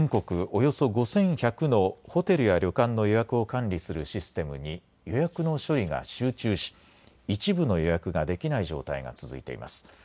およそ５１００のホテルや旅館の予約を管理するシステムに予約の処理が集中し一部の予約ができない状態が続いています。